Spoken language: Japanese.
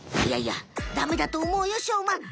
いやいやダメだと思うよしょうま！